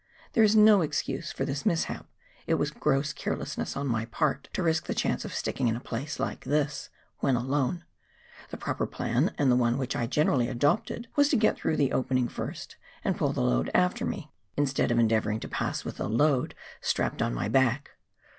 There is no excuse for this mishap, it was gross carelessness on my part to risk the chance of sticking in a place like this — when alone ; the proper plan, and the one which I generally adopted, was to get through the opening first, and pull the load after me, instead of endeavouring to pass with the load strapped on my back.